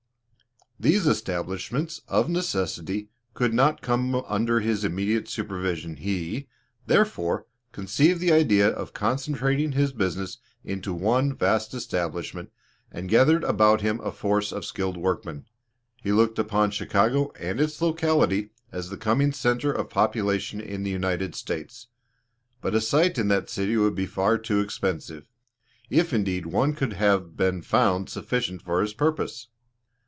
These establishments, of necessity, could not come under his immediate supervision he, therefore, conceived the idea of concentrating his business into one vast establishment, and gathered about him a force of skilled workmen. He looked upon Chicago and its locality as the coming center of population in the United States; but a site in that city would be far too expensive, if indeed one could have been found sufficient for his purpose.